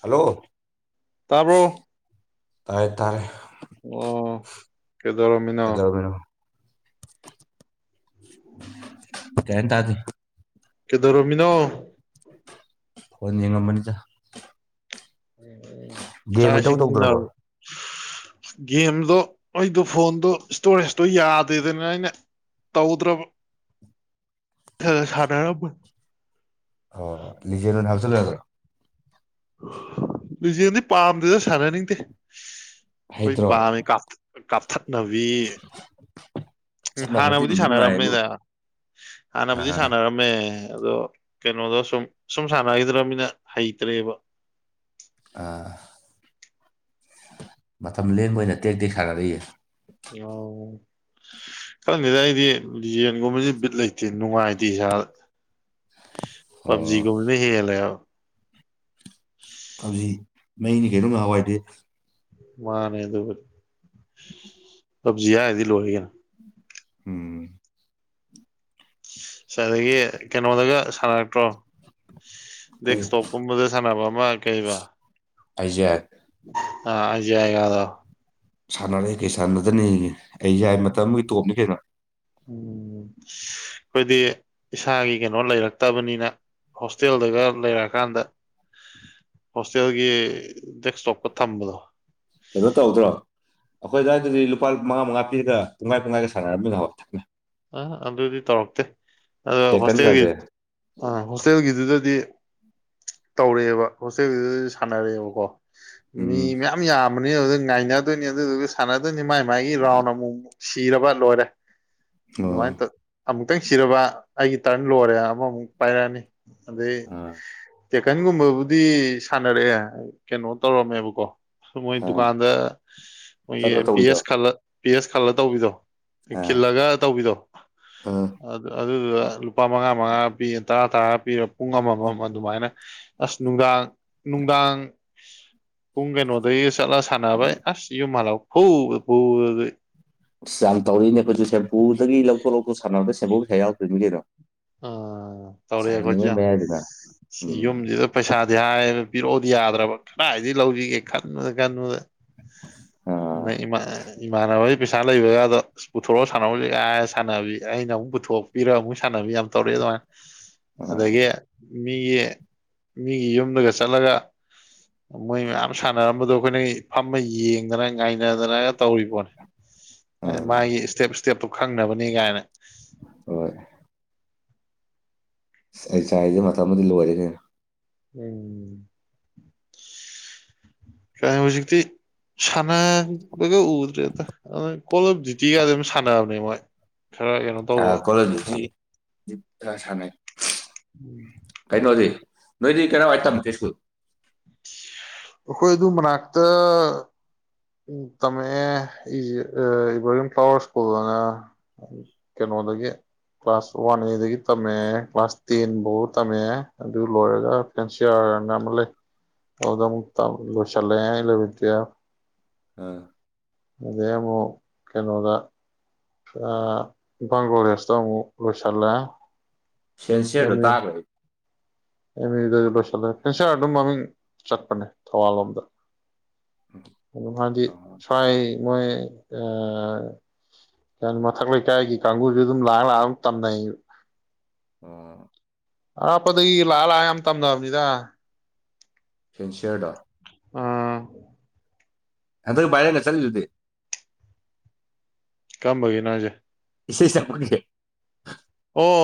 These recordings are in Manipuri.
ꯍꯜꯂꯣ ꯇꯔꯕ ꯇꯔꯦ ꯇꯥꯔꯦ ꯑꯣ ꯀꯦꯗꯣꯔꯃꯤꯅꯥ ꯀꯩꯗꯧꯔꯝꯃꯤꯅꯣ ꯀꯩꯝ ꯇꯥꯗꯦ ꯀꯗꯣ ꯔꯣꯃꯤꯅꯣ ꯐꯣꯟ ꯌꯦꯡꯉꯝꯕꯅꯤꯗ ꯎꯝ ꯒꯦꯝ ꯀꯩꯇꯧ ꯇꯧꯗ꯭ꯔꯕꯣ ꯒꯦꯝꯗꯣ ꯑꯩꯗꯣ ꯐꯣꯟꯗꯣ ꯏꯁꯇꯣꯔꯦꯖꯇꯣ ꯌꯥꯗꯦꯗꯅ ꯑꯩꯅ ꯇꯧꯗ꯭ꯔꯕ ꯁꯅꯔꯝꯕ ꯑꯣ ꯂꯤꯖꯦꯟ ꯑꯣꯏꯅ ꯍꯥꯞꯆꯤꯜꯂꯗ꯭ꯔꯣ ꯂꯖꯦꯜꯗꯤ ꯄꯥꯝꯗꯗ ꯁꯥꯟꯅꯅꯤꯡꯗꯦ ꯀꯣꯏ ꯍꯩꯇ꯭ꯔꯣ ꯕꯥꯃꯦ ꯀꯞꯇ ꯀꯥꯞꯊꯠꯅꯕꯤ ꯎꯝ ꯁꯥꯟꯅꯕꯗꯤ ꯍꯥꯟꯅꯕꯨꯗꯤ ꯅꯨꯡꯗꯤ ꯅꯨꯡꯉꯥꯏꯌꯦꯕꯨ ꯁꯥꯟꯅꯔꯝꯃꯦꯗ ꯍꯥꯟꯅꯕꯨꯗꯤ ꯑꯥ ꯁꯥꯟꯅꯔꯝꯃꯦ ꯑꯗꯣ ꯀꯩꯅꯣꯗꯣ ꯁꯨꯝ ꯁꯨꯝ ꯁꯥꯟꯅꯈꯤꯗ꯭ꯔꯅꯤꯅ ꯍꯩꯇ꯭ꯔꯦꯕ ꯃꯇꯝ ꯂꯦꯡꯕ ꯑꯣꯏꯅ ꯇꯦꯛꯇꯦꯛ ꯁꯥꯟꯅꯔꯛꯏ ꯑꯣ ꯈꯔꯪꯅꯤꯗ ꯑꯩꯗꯤ ꯌꯦꯟꯒꯨꯝꯕꯁꯦ ꯕꯤꯠ ꯂꯩꯇꯦ ꯅꯨꯡꯉꯥꯏꯗꯤ ꯍꯥꯏ ꯑꯣ ꯄꯕꯖꯤ ꯀꯨꯝꯃꯤꯅ ꯍꯂ ꯄꯕꯖꯤ ꯃꯩꯅꯤ ꯀꯩꯅꯣꯝ ꯅꯍꯥꯟꯋꯥꯏꯗꯦ ꯃꯥꯅꯦ ꯑꯗꯨ ꯄꯞꯖꯤ ꯍꯥꯏꯔꯗꯤ ꯂꯣꯏꯒꯅ ꯎꯝ ꯑꯗꯒꯤ ꯀꯩꯅꯣꯗꯒ ꯁꯥꯟꯅꯔꯛꯇ꯭ꯔꯣ ꯀꯩ ꯗꯦꯁꯁꯇꯣꯞꯀꯨꯝꯕꯗ ꯁꯥꯟꯅꯕ ꯑꯃ ꯀꯩꯕ ꯑꯩꯖꯦ ꯑꯌꯦꯒꯗꯣ ꯁꯥꯟꯅꯔꯦ ꯀꯩ ꯁꯥꯟꯅꯗꯅꯤꯒꯦ ꯑꯩ ꯌꯥꯏ ꯃꯇꯝ ꯑꯃꯒꯤ ꯇꯣꯞꯅꯤ ꯀꯩꯅꯣ ꯎꯝ ꯑꯩꯈꯣꯏꯗꯤ ꯏꯁꯥꯒꯤ ꯀꯩꯅꯣ ꯂꯩꯔꯛꯇꯕꯅꯤꯅ ꯍꯣꯁꯇꯦꯜꯗꯒ ꯂꯩꯔꯛꯀꯥꯟꯗ ꯍꯣꯁꯇꯦꯜꯒꯤ ꯗꯦꯛꯁꯇꯣꯞꯀ ꯊꯝꯕꯗꯣ ꯀꯩꯅꯣ ꯇꯧꯗ꯭ꯔꯣ ꯑꯩꯈꯣꯏ ꯑꯗꯨꯋꯥꯏꯗꯗꯤ ꯂꯨꯄꯥ ꯃꯉꯥ ꯃꯉꯥ ꯄꯤꯔꯒ ꯇꯨꯡꯈꯥꯏ ꯇꯨꯡꯈꯥꯏꯒ ꯁꯥꯟꯅꯔꯝꯕꯃꯤꯅꯣꯛꯅꯦ ꯑ ꯑꯗꯨꯗꯤ ꯇꯧꯔꯛꯇꯦ ꯑꯗ ꯍꯣꯁꯇꯦꯜꯒꯤ ꯇꯦꯀꯟꯒꯖꯦ ꯑ ꯍꯣꯁꯇꯦꯜꯒꯤꯗꯨꯗꯗꯤ ꯇꯧꯔꯛꯑꯦꯕ ꯍꯣꯁꯇꯦꯜꯗꯨꯗ ꯁꯥꯟꯅꯔꯦꯕꯀꯣ ꯃꯤ ꯎꯝ ꯃ ꯌꯥꯝ ꯉꯅ ꯑꯗꯨꯅꯤ ꯑꯗꯨ ꯁꯥꯟꯅꯤ ꯃ ꯃꯒꯤ ꯔꯥꯎꯅ ꯁꯤꯔꯕ ꯂꯣꯏꯔꯦ ꯑꯣ ꯅꯨꯡꯉꯥꯏ ꯈꯤꯇꯪ ꯁꯤꯔꯕ ꯑꯩꯒꯤ ꯇꯔꯟ ꯂꯣꯏꯔꯦ ꯑꯃꯃꯨꯛ ꯄꯥꯏꯔꯛꯑꯅꯤ ꯑꯗ ꯑꯥ ꯇꯦꯀꯟꯒꯨꯝꯕꯕꯨꯗꯤ ꯁꯥꯟꯅꯔꯛꯑꯦ ꯀꯩꯅꯣ ꯇꯧꯔꯝꯃꯦꯕꯀꯣ ꯃꯣꯏ ꯑꯥ ꯗꯨꯀꯥꯟꯗ ꯃꯣꯏꯒꯤ ꯆꯠꯂꯣ ꯄꯤ ꯇꯧꯕꯤꯗꯣ ꯑꯦꯁ ꯈꯜꯂ ꯄꯤ ꯑꯦꯁ ꯈꯜꯂ ꯇꯧꯕꯤꯗꯣ ꯑꯥ ꯈꯤꯂꯒ ꯗꯣ ꯑꯥ ꯑ ꯑꯗꯨꯗꯨꯗ ꯂꯨꯄꯥ ꯃꯉꯥ ꯃꯉꯥꯒ ꯄꯤꯔ ꯇꯔꯥ ꯇꯔꯥꯒ ꯄꯤꯔ ꯄꯨꯡ ꯑꯃꯃꯝ ꯑꯗꯨꯃꯥꯏꯅ ꯑꯁ ꯅꯨꯡꯗꯥꯡ ꯅꯨꯡꯗꯥꯡ ꯄꯨꯡ ꯀꯩꯅꯣꯗꯒꯤ ꯄꯤꯁꯥꯥ ꯁꯥꯟ ꯍꯥꯏ ꯑ ꯁꯤ ꯌꯨꯝꯃꯜꯥꯎ ꯐꯨꯕꯗꯥ ꯐꯨꯕꯗꯥ ꯑꯁ ꯌꯥꯝ ꯇꯧꯔꯤꯅꯦ ꯑꯩꯈꯣꯏꯁꯨ ꯁꯄꯨꯗꯒꯤ ꯂꯧꯊꯣꯛ ꯂꯧꯊꯣꯛ ꯁꯥꯟꯅꯕꯔꯗ ꯁꯦꯝꯕꯨꯨ ꯄꯩꯁꯥ ꯌꯥꯎꯗꯣꯏꯃꯤ ꯀꯩꯩꯅꯣ ꯎ ꯇꯧꯔꯦꯈꯣꯏꯆ ꯃꯌꯥꯏꯗꯨꯗ ꯎꯝ ꯌꯨꯝꯁꯤꯗ ꯄꯩꯁꯥ ꯑꯗꯨ ꯍꯥꯏꯕ ꯄꯤꯔꯛꯑꯣꯗꯤ ꯌꯥꯗ꯭ꯔꯕ ꯀꯗꯥꯏꯗꯒꯤ ꯂꯧꯁꯤꯒꯦ ꯈꯟꯕꯨꯗ ꯈꯟꯕꯨꯗ ꯑꯥ ꯃ ꯏꯃꯥ ꯏꯃꯅꯕ ꯄꯩꯁꯥ ꯂꯩꯕꯒ ꯑꯗꯣ ꯄꯨꯊꯣꯔꯛꯒ ꯁꯥꯟꯅꯕ ꯑ ꯁꯥꯟꯅꯕꯤ ꯑꯩꯅ ꯑꯃꯨꯛ ꯄꯨꯊꯣꯛꯄꯤꯔꯒ ꯑꯃꯨꯛ ꯁꯥꯟꯅꯕꯤ ꯌꯥꯝ ꯇꯧꯔꯛꯑ ꯑꯗꯨꯃꯥꯏꯅ ꯑꯥ ꯑꯗꯒꯤ ꯃꯤꯒꯤ ꯃꯤꯒꯤ ꯌꯨꯝꯗꯒ ꯆꯠꯂꯒ ꯃꯣꯏ ꯃꯌꯥꯝ ꯁꯥꯟꯅꯔꯝꯕꯗꯣ ꯑꯩꯈꯣꯏꯅ ꯐꯝꯃ ꯌꯦꯡꯗꯅ ꯉꯥꯏꯅꯗꯅ ꯇꯧꯔꯤꯕꯣꯅꯦ ꯍꯥꯏꯗꯤ ꯑꯥ ꯃꯥꯒꯤ ꯏꯁꯇꯦꯞ ꯏꯁꯇꯦꯞꯇꯨ ꯈꯪꯅꯕꯅꯤ ꯀꯥꯏꯅ ꯍꯣꯏ ꯑꯩ ꯆꯥꯏꯁꯦ ꯃꯇꯝꯊ ꯑꯃꯗꯤ ꯂꯣꯏꯔꯅꯦꯅ ꯎꯝ ꯀ ꯍꯧꯖꯤꯛꯇꯤ ꯁꯥꯟꯅꯕꯒ ꯎꯗ꯭ꯔꯦ ꯑ ꯀꯣꯜ ꯑꯣꯞ ꯗ꯭ꯌꯨꯇꯤꯒ ꯑꯗꯨꯝ ꯁꯥꯟꯅꯕꯅꯦ ꯃꯣꯏ ꯈꯔ ꯀꯩꯅꯣ ꯑ ꯇꯧꯕ ꯀꯣꯂꯦꯖꯗꯤ ꯈ ꯁꯥꯟꯅꯩ ꯑꯩꯈꯣꯏ ꯀꯩꯅꯣꯗꯤ ꯅꯣꯏꯗꯤ ꯀꯩꯅ ꯋꯥꯇꯝ ꯀꯦꯁꯀ ꯑꯩꯈꯣꯏ ꯑꯗꯨ ꯃꯅꯥꯛꯇꯛꯇ ꯇꯝꯃꯛꯑꯦ ꯑꯩꯦ ꯏꯕꯔꯔꯤꯡ ꯐ꯭ꯂꯥꯋꯔ ꯁ꯭ꯀꯨꯜꯗꯅ ꯀꯩꯅꯣꯗꯒꯤ ꯀ꯭ꯂꯥꯁ ꯋꯥꯟ ꯑꯦꯗꯒꯤ ꯇꯝꯃꯛꯑꯦ ꯀ꯭ꯂꯥꯁ ꯇꯦꯟ ꯐꯥꯎꯕ ꯇꯝꯃꯛꯑꯦ ꯑꯗꯨ ꯂꯣꯏꯔꯒ ꯐꯦꯟꯁꯤꯌꯥꯔꯅ ꯑꯃ ꯂꯩ ꯑꯗꯨꯗ ꯑꯃꯨꯛ ꯂꯣꯏꯁꯤꯜꯂꯛꯑꯦ ꯏꯂꯚꯦꯟ ꯇꯨꯋꯦꯜꯐ ꯑꯥ ꯑꯗꯦꯃꯣ ꯀꯦꯩꯅꯣꯗꯥ ꯕꯪꯒ꯭ꯂꯥꯗꯦꯁꯗ ꯑꯃ ꯂꯣꯏꯁꯥꯂꯦ ꯁꯦꯟꯁꯤꯔꯗꯨ ꯇꯥꯈ꯭ꯔꯦ ꯑꯦꯝꯗꯁꯨ ꯂꯣꯏꯁꯤꯜꯂꯦ ꯀꯦꯟꯁꯔ ꯑꯗꯨꯝ ꯃꯃꯤꯡ ꯆꯠꯄꯅꯦ ꯊꯧꯕꯥꯜ ꯂꯣꯝꯗ ꯗꯤ ꯑꯥ ꯁꯥꯏ ꯃꯣꯏ ꯀꯩ ꯍꯥꯏꯅꯤ ꯃꯊꯛ ꯂꯩꯀꯥꯏꯒꯤ ꯀꯥꯡꯕꯨꯁꯨ ꯑꯗꯨꯝ ꯂꯥꯛꯑ ꯂꯥꯛꯑ ꯑꯗꯨꯝ ꯇꯝꯅꯩ ꯑ ꯑꯄꯗꯨ ꯂꯥꯜ ꯍꯥꯏꯝ ꯇꯝꯗꯅꯤꯗ ꯁꯦꯟꯁꯤꯌꯔꯗ ꯎꯝ ꯑꯗ ꯥꯏꯔ ꯅ ꯆꯜꯗꯨꯗꯤ ꯀꯝꯕꯒꯅꯥꯖꯦ ꯁꯦꯁ ꯑꯃꯅꯤꯦ ꯑꯣ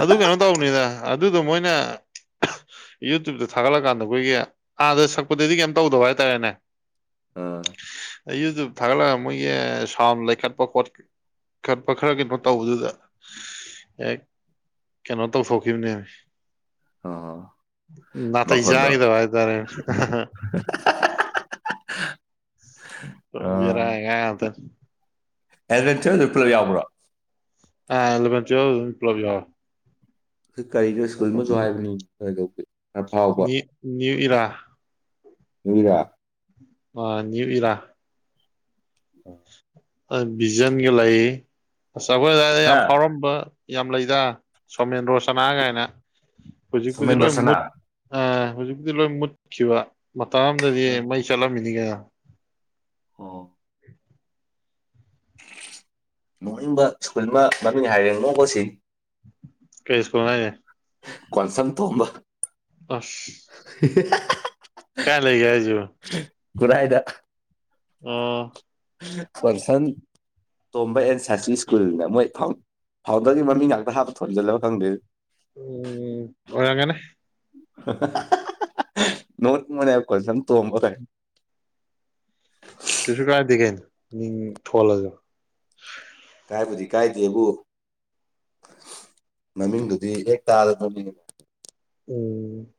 ꯑꯗꯨ ꯀꯩꯅꯣ ꯇꯧꯕꯅꯤꯗ ꯑꯗꯨꯗꯣ ꯃꯣꯏꯅ ꯌꯨꯇ꯭ꯕꯇ ꯊꯥꯒꯠꯂꯀꯥꯟꯗ ꯑꯩꯈꯣꯏꯒꯤ ꯑꯥꯗ ꯁꯛꯄꯗꯗꯤ ꯀꯩꯝ ꯇꯧꯗꯕ ꯍꯥꯏꯇꯥꯔꯦꯅꯦ ꯑꯝ ꯌꯨꯇꯨꯕ ꯊꯥꯒꯠꯂꯒ ꯃꯣꯏꯒꯤ ꯁꯥꯎꯟ ꯂꯩꯈꯠꯄ ꯈꯣꯠ ꯈꯠꯄ ꯈꯔ ꯀꯩꯅꯣ ꯇꯧꯕꯗꯨꯗ ꯑꯦ ꯀꯩꯅꯣ ꯇꯧꯊꯣꯛꯈꯤꯕꯅꯦ ꯑꯥ ꯅꯇꯩ ꯃꯈꯣꯟꯗꯣ ꯌꯥꯒꯗꯕꯥꯇꯥꯔꯦ ꯕꯤꯔꯥꯑ ꯀꯇ ꯑꯦꯠꯚꯦꯟꯆꯔ ꯑꯗꯨ ꯄꯨꯂꯞ ꯌꯥꯎꯕ꯭ꯔꯥ ꯑꯇ ꯄ꯭ꯂꯕꯤ ꯀꯔꯤ ꯀꯔꯤ ꯁ꯭ꯀꯨꯜ ꯃꯆꯨ ꯍꯥꯏꯕꯅꯤ ꯀꯗꯧꯒꯦ ꯅꯅꯤꯌꯨ ꯏꯔꯥ ꯃꯤꯔꯥ ꯑ ꯏꯔꯥ ꯕꯤꯖꯟꯒ ꯂꯥꯏꯌꯦ ꯑ ꯑꯩꯈꯣꯏ ꯑꯗꯨꯋꯥꯏꯗ ꯌꯥꯝ ꯍꯥ ꯐꯥꯎꯔꯝꯕ ꯌꯥꯝ ꯂꯩꯗ ꯁꯣꯃꯦꯟꯗ꯭ꯔꯣ ꯁꯅꯥ ꯀꯥꯏꯅ ꯄꯨꯖꯤꯛ ꯄꯨꯖꯤ ꯁꯣꯃꯦꯟ ꯂꯣ ꯃꯨꯠ ꯔꯣꯁꯅꯥ ꯑ ꯍꯧꯖꯤꯛꯇꯤ ꯂꯣꯏ ꯃꯨꯠꯈꯤꯕ ꯃꯇ ꯑ ꯑꯃꯗꯗꯤ ꯃꯩ ꯆꯠꯂꯝꯃꯤꯅꯤꯉ ꯑꯣ ꯅꯣꯡꯅꯤꯡꯕ ꯁ꯭ꯀꯨꯜ ꯑꯃ ꯃꯃꯤꯡ ꯍꯥꯏꯔꯦ ꯅꯣꯡ ꯀꯣꯁꯤ ꯀꯩ ꯏꯁꯀꯨꯅꯦ ꯀꯣꯟꯁꯪ ꯇꯣꯝꯕ ꯑꯁ ꯀꯌꯥ ꯂꯩꯒ‌‌ꯦ ꯍꯥꯏꯁꯤꯕꯣ ꯈꯨꯔꯥꯏꯗꯑꯥ ꯑꯣꯝ ꯁꯣꯟꯁꯟ ꯇꯣꯝꯕ ꯑꯦꯟ ꯁꯥꯁꯤ ꯁ꯭ꯀꯨꯜꯅ ꯃꯣꯏ ꯐꯥꯎꯟꯗꯔꯒꯤ ꯃꯃꯤꯡ ꯉꯥꯛꯇ ꯍꯥꯞꯄ ꯊꯣꯟꯖꯜꯂꯒ ꯈꯪꯗꯦ ꯎꯝ ꯑꯣꯔꯝꯒꯅꯦ [unintelligible] ꯀ‌ꯣꯟꯁꯝ ꯇꯣꯡꯝꯕ ꯇ ꯀꯩꯁꯨ ꯀꯥꯏꯗꯦ ꯀꯩꯅꯣ ꯃꯤꯡ ꯊꯣꯜꯂꯁꯨ ꯍꯥꯏꯕꯗꯤ ꯀꯥꯏꯗꯦꯕꯨ ꯃꯅꯨꯡꯗꯨꯗꯤ ꯍꯦꯛ ꯇꯥꯗ ꯆꯣꯃꯤꯉꯅ ꯎꯝ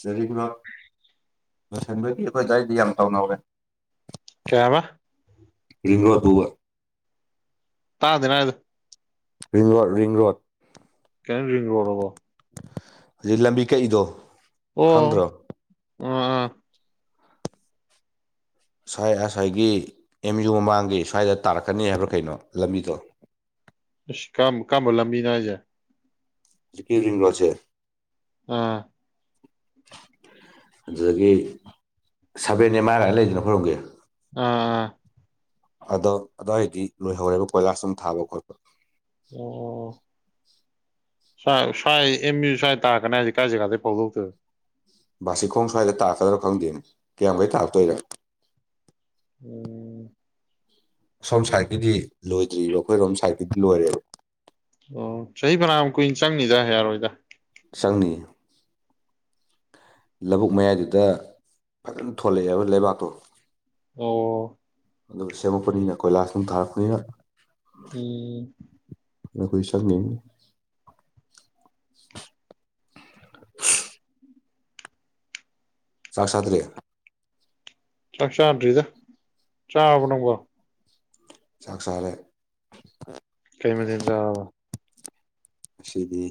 [unintelligible] ꯂꯣꯏꯁꯤꯟꯕꯒꯤ ꯑꯩꯈꯣꯏ ꯗꯥꯏꯗꯤ ꯌꯥꯝ ꯇꯥꯎꯅꯧꯔꯦ ꯀꯌꯥꯕꯥ ꯀꯔꯤꯅꯣ ꯇꯩꯕꯥ ꯇꯥꯗꯔꯥ ꯔꯤꯡ ꯔ‌ꯣꯠ ꯔꯤꯡ ꯔ‌ꯣꯠ ꯀꯩꯅꯔꯤꯅ‌ꯣ ꯔꯤꯡꯔꯣꯗ ꯍꯥꯏꯕꯣ ꯍꯧꯖꯤꯛ ꯂꯝꯕꯤ ꯀꯛꯏꯗꯣ ꯑꯣ ꯈꯪꯗ꯭ꯔꯣ ꯑꯥ ꯑꯥ ꯁ꯭ꯋꯥꯏ ꯑꯁꯥꯏꯒꯤ ꯑꯦꯝꯌꯨ ꯃꯃꯥꯡꯒꯤ ꯁ꯭ꯋꯥꯏꯗ ꯇꯥꯔꯛꯀꯅꯤ ꯍꯥꯏꯕ꯭ꯔꯥ ꯀꯩꯅꯣ ꯂꯝꯕꯤꯗꯣ ꯀꯝ ꯀꯃꯕ ꯂꯝꯕꯤ ꯅꯅꯥꯖꯦ [unintelligible] ꯑꯥ ꯑꯗꯨꯗꯒꯤ ꯁꯕꯦꯟ ꯑꯦꯝ ꯑꯥꯏ ꯂꯥꯏꯅ ꯂꯩꯗꯅ ꯈꯣꯏꯔ‌ꯣꯝꯒꯦ ꯎꯝ ꯑꯗꯣ ꯑꯗꯨꯋꯥꯏꯗꯤ ꯂꯣꯏꯍꯧꯔꯦꯕ ꯀꯣꯏꯂꯥꯁ ꯑꯗꯨꯨꯝ ꯊꯥꯕ ꯈꯣꯠꯄ ꯑꯣ ꯁꯥꯋꯥꯏ ꯑꯦꯝ ꯃꯤꯌꯨ ꯁꯥꯏ ꯇꯥ ꯀꯅꯦ ꯍꯧꯖꯤ ꯀꯥ ꯖꯒꯥꯗꯤ ꯐꯧꯗꯧꯛꯇꯣ ꯕꯥꯁꯤꯈꯣꯡ ꯁ꯭ꯋꯥꯏꯗ ꯇꯥꯛꯀꯗ꯭ꯔꯥ ꯐꯪꯗꯦꯅꯦ ꯀꯌꯥꯝ ꯃꯈꯩ ꯇꯥꯛꯔꯛꯇꯣꯏꯔ ꯎꯝ ꯁꯣꯝ ꯁꯥꯏꯠꯀꯤꯗꯤ ꯂꯣꯏꯗ꯭ꯔꯤꯕ ꯑꯩꯈꯣꯏꯔꯣꯝ ꯁꯥꯏꯠꯀꯤꯗꯤ ꯂꯣꯏꯔꯦꯕ ꯑꯣ ꯆꯍꯤ ꯃꯔꯥꯃꯨꯛ ꯀꯨꯏꯅ ꯆꯪꯅꯤꯗ ꯌꯥꯔꯣꯏꯗ ꯆꯪꯉꯅꯤ ꯂꯧꯕꯨꯛ ꯃꯌꯥꯏꯗꯨꯗ ꯐꯖꯅ ꯊꯣꯛꯂꯛꯑꯦ ꯍꯥꯏꯕ ꯂꯩꯕꯥꯛꯇꯣ ꯑꯣ ꯑꯗꯨꯒ ꯁꯦꯝꯃꯛꯄꯅꯤꯅ ꯀꯣꯏꯂꯥꯁ ꯅꯨꯡ ꯊꯥꯔꯛꯄꯅꯤꯅ ꯎꯝ ꯀ ꯁꯛꯅꯤ [inaudible] ꯁꯥꯁꯗ ꯂꯩ ꯆꯥꯛ ꯆꯥꯗ꯭ꯔꯤꯗ ꯆꯥꯕ ꯅꯪꯕꯣ ꯆꯪꯁꯔꯦ ꯀꯩ ꯃꯊꯤꯟ ꯆꯕ ꯑꯁꯗꯤ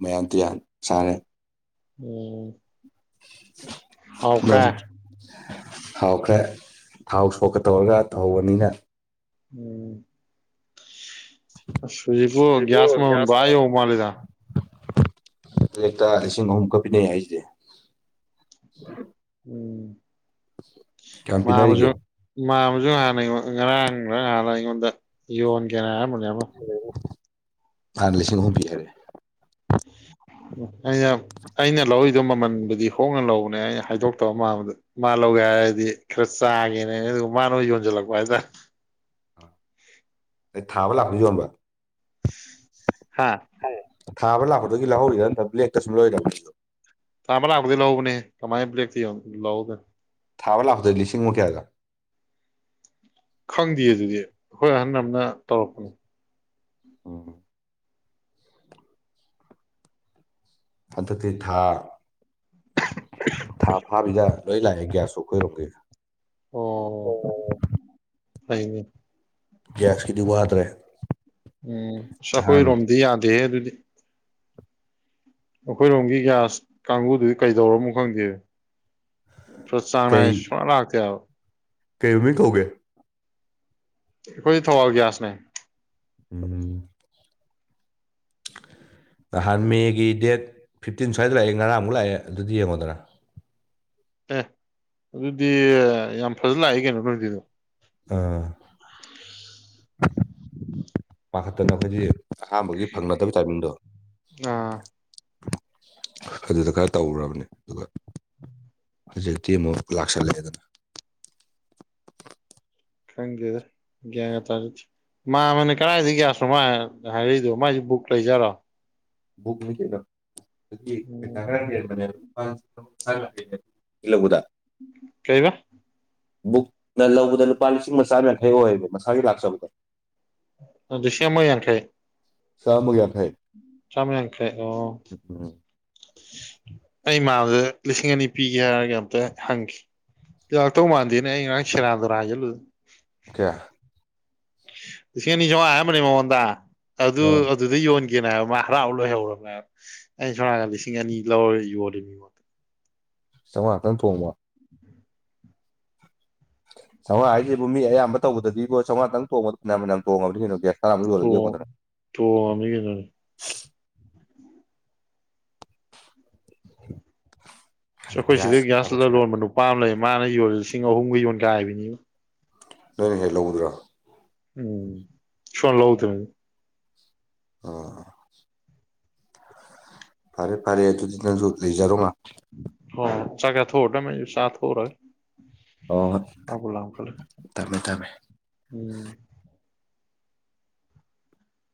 ꯃꯌꯥꯝꯇ ꯁꯥꯔꯦ ꯎꯝ ꯍꯥꯎꯈ ꯊꯥꯎꯈ꯭ꯔꯦ ꯊꯥꯎ ꯁꯣꯛꯀ ꯇꯧꯔꯒ ꯇꯧꯍꯧꯕꯅꯤꯅ ꯎꯝ ꯁꯨꯖꯤꯕꯨꯨ ꯍꯧꯖꯤꯛꯄꯨ ꯭ꯌꯥꯁ ꯃꯟ ꯒ꯭ꯌꯥꯁ ꯥꯏ ꯑꯣꯏ ꯃꯥ ꯂꯩꯦꯗ ꯇꯦꯛꯇ ꯂꯤꯁꯤꯡ ꯑꯍꯨꯝ ꯀꯛ ꯄꯤꯅꯩ ꯍꯥꯏꯁꯤꯁꯦ ꯎꯝ ꯀꯌꯥꯝ ꯄꯤꯅꯔꯤꯒꯦ ꯃꯥꯝꯕꯁꯨ ꯍꯥꯟꯅ ꯑꯩꯉꯣꯟ ꯉꯔꯥꯡꯗ ꯍꯥꯟꯅ ꯑꯩꯉꯣꯟꯗ ꯌꯣꯟꯒꯦꯅ ꯍꯥꯏꯔꯝꯕ ꯍ ꯐꯥꯟꯂꯤꯁꯤꯡ ꯍꯕꯤ ꯍꯥꯏꯔꯦ ꯑꯩꯅ ꯑꯩꯅ ꯂꯧꯔꯤꯗꯣ ꯃꯃꯜꯕꯨꯗꯤ ꯍꯣꯡꯅ ꯂꯧꯕꯅꯦ ꯑꯩꯅ ꯍꯥꯏꯗꯣꯛꯇꯕ ꯃꯥꯟꯕꯗ ꯃꯥ ꯂꯧꯒꯦ ꯍꯥꯏꯔꯗꯤ ꯈꯔ ꯆꯥꯒꯦꯅꯦ ꯑꯗꯨꯒ ꯃꯥꯅ ꯌꯣꯟꯁꯤꯜꯂꯛꯄ ꯍꯥꯏꯇꯥꯔꯦ ꯑꯩ ꯊꯥꯕ ꯂꯥꯛꯄ ꯌꯣꯟꯕ ꯍꯥ ꯍꯝ ꯊꯥꯕ ꯂꯥꯛꯄꯗꯨꯗꯒꯤ ꯂꯧꯍꯧꯔꯤꯗ ꯅꯟ ꯕ꯭ꯂꯦꯛꯇ ꯁꯨꯝ ꯂꯣꯏꯔꯔꯕꯅꯤꯗꯣ ꯇꯕꯂꯒꯗ ꯂꯥꯎꯎꯕꯅꯦ ꯀꯃꯥꯏ ꯭ꯂꯛꯇ ꯂꯎꯕ ꯊꯥꯕ ꯂꯥꯛꯗꯣꯏꯦ ꯂꯤꯁꯤꯡꯃꯨꯛ ꯀꯌꯥꯒ ꯈꯪꯗꯦ ꯑꯗꯨꯗꯤ ꯍꯣꯏ ꯑꯍꯟ ꯑꯃꯅ ꯇꯧꯔꯛꯄꯅꯤ ꯑꯣ ꯍꯟꯗꯛꯇꯤ ꯊꯥ ꯊꯥ ꯐꯥꯕꯤꯗ ꯂꯣꯏ ꯂꯥꯛꯑꯦ ꯒ꯭ꯌꯥꯁ ꯀꯣꯏꯔꯣꯀꯦ ꯑꯣ ꯑꯣ ꯐ ꯒ꯭ꯌꯥꯁꯀꯤꯗꯤ ꯋꯥꯗ꯭ꯔꯦ ꯎꯝꯁ ꯅꯍꯥꯟ ꯑꯩꯈꯣꯏꯔꯣꯝꯗꯤ ꯌꯥꯗꯦꯍꯦ ꯑꯗꯨꯗꯤ ꯑꯩꯈꯣꯏꯔꯣꯝꯒꯤ ꯒ꯭ꯌꯥꯁ ꯀꯥꯡꯕꯨꯗꯨꯗꯤ ꯀꯩꯗꯧꯔꯝꯃꯣ ꯈꯪꯗꯦ ꯀꯩ ꯁꯣꯠꯁꯪꯅꯥꯏ ꯁꯅ ꯂꯥꯛꯇ ꯀꯩ ꯃꯤꯃꯤ ꯀꯧꯒꯦ ꯈꯣꯏ ꯊꯋꯥꯒ꯭ꯌꯥꯁꯅꯦ ꯎꯝ ꯅꯍꯥꯟ ꯃꯦꯒꯤ ꯗꯦꯠ ꯐꯤꯞꯇꯤꯟ ꯁ꯭ꯋꯥꯏꯗ ꯂꯥꯛꯑꯦ ꯉꯔꯥꯡꯃꯨꯛ ꯂꯥꯛꯑꯦ ꯑꯗꯨꯗꯤ ꯌꯦꯡꯉꯣꯗꯅ ꯑꯦ ꯑꯗꯨꯗꯤ ꯌꯥꯝ ꯐꯖꯅ ꯂꯥꯛꯏ ꯀꯩꯅꯣꯗꯪꯁꯤꯗꯣ ꯑꯥ ꯄꯥꯈꯠꯇꯅ ꯑꯩꯈꯣꯏꯒꯤ ꯑꯍꯥꯟꯕꯒꯤ ꯐꯪꯅꯗꯕ ꯇꯥꯏꯃꯤꯡꯗꯣ ꯑꯥ ꯑꯗꯨꯗ ꯈꯔ ꯇꯧꯔꯨꯕꯅꯤ ꯑꯗꯨꯒ ꯎꯝ ꯍꯧꯖꯤꯛꯇꯤ ꯑꯃꯨꯛ ꯂꯥꯛꯁꯜꯂꯛꯑꯦꯗꯅ ꯈꯪꯗꯦꯗ ꯒ꯭ꯌꯥꯟ ꯒꯥ ꯇꯥꯖꯥꯗꯦ ꯃꯥꯝꯃꯅ ꯀꯗꯥꯥꯏꯗꯩ ꯒꯌꯥꯁꯅꯣ ꯃꯥ ꯅ ꯍꯥꯏꯔꯩꯏꯗꯣ ꯃꯥꯏꯖꯨ ꯕꯨꯛ ꯂꯩꯖꯥꯔꯣ ꯕꯨꯛꯅꯤ ꯀꯩꯅꯣ ꯑꯗꯨꯗꯤ ꯄꯩꯁꯥ ꯎꯝ ꯈꯔ ꯍꯦꯟꯕꯅꯦꯕ [unintelligible] ꯀꯩ ꯂꯧꯕꯗ ꯀꯩꯕ ꯕꯨꯛꯅ ꯂꯧꯕꯗ ꯂꯨꯄꯥ ꯂꯤꯁꯤꯡ ꯃ ꯆꯥꯝ ꯌꯥꯡꯈꯩ ꯑꯣꯏꯕ ꯃꯁꯥꯒꯤ ꯂꯥꯛꯆꯕꯗ ꯑ ꯂꯤꯁꯤꯡ ꯑꯃ ꯌꯥꯡꯈꯩ ꯆꯥꯝꯃꯒ ꯌꯥꯡꯈꯩ ꯆꯥꯝꯃ ꯎꯝ ꯎꯝ ꯁꯤ ꯑꯩ ꯏꯃꯥꯟꯕꯗꯨꯗ ꯂꯤꯁꯤꯡ ꯑꯅꯤ ꯄꯤꯒꯦ ꯍꯥꯏꯔꯒ ꯑꯝꯇ ꯍꯪꯈꯤ ꯂꯥꯛꯇꯧ ꯃꯥꯟꯗꯦꯅ ꯑꯩ ꯉꯔꯥꯡ ꯁꯦꯔꯥꯟ ꯇꯨꯔꯥꯟ ꯍꯥꯏꯖꯜꯂꯨꯗꯅ ꯀꯌꯥ ꯁꯤ ꯂꯤꯁꯤꯡ ꯑꯅꯤ ꯆꯧꯉꯥ ꯍꯥꯏꯔꯝꯕꯅꯦ ꯃꯉꯣꯟꯗ ꯑꯗꯨ ꯑꯥ ꯑꯗꯨꯗ ꯌꯣꯟꯒ ꯀꯦꯅ ꯍꯥꯏꯕ ꯃꯥ ꯍꯔꯥꯎ ꯂꯣꯏꯍꯧꯔꯕꯅꯦ ꯍꯥꯏꯕ ꯁꯁ ꯑꯩꯅ ꯁꯣꯝ ꯅꯥꯀꯟ ꯂꯤꯁꯤꯡ ꯑꯅꯤ ꯂꯧꯔ ꯌꯣꯜꯂꯤꯅꯤ ꯃꯉꯣꯟꯗ ꯆꯧꯉꯥꯇꯪ ꯇꯣꯡꯕ ꯆꯧꯉꯥ ꯍꯥꯏꯖꯦ ꯕꯣ ꯃꯤ ꯑꯌꯥꯝꯕ ꯇꯧꯕꯗꯗꯤꯕꯣ ꯆꯧꯉꯥꯇꯪ ꯇꯣꯡꯕꯗ ꯐꯅꯌꯥꯝ ꯐꯅꯌꯥꯝ ꯇꯣꯡꯉꯕꯅꯤ ꯀꯩꯅꯣ ꯒ꯭ꯌꯥ ꯇꯣꯡ ꯊꯣꯝꯃꯃꯤ ꯀꯩꯅꯣꯅꯦ ꯑꯁ ꯑꯩꯈꯣꯏ ꯁꯤꯗ ꯒ꯭ꯌꯥꯁꯀꯤ ꯒ꯭ꯌꯥꯁ ꯊꯕꯛꯁꯤꯅ ꯂꯂꯣꯟꯕ ꯅꯨꯄꯥ ꯑꯃ ꯂꯩ ꯃꯥꯅ ꯌꯣꯜꯂꯤ ꯂꯤꯁꯤꯡ ꯑꯍꯨꯝꯒ ꯌꯣꯟꯒꯥꯏꯕꯤꯅꯤꯉꯣ ꯅꯣꯏꯅ ꯍꯦꯛ ꯂꯧꯕꯗꯨꯔꯣ ꯎꯝ ꯁꯨꯋꯥ ꯂꯧꯗꯝꯅꯤ ꯑꯣ ꯐꯔꯦ ꯐꯔꯦ ꯑꯗꯨꯗꯤ ꯅꯪꯖꯨ ꯂꯩꯖꯔꯣ ꯉꯥꯛ ꯍꯣꯏ ꯆꯥꯛ ꯆꯥꯊꯣꯛꯑꯣꯔꯗꯝꯃꯤ ꯑꯩꯖꯨ ꯆꯥꯊꯣꯛꯎꯔꯒꯦ ꯑꯣ ꯍꯣ ꯍꯣꯏ ꯆꯥꯕꯨ ꯂꯥꯝꯈꯠꯂꯦ ꯊꯝꯃꯦ ꯊꯝꯃꯦ [inaudible] ꯎꯝ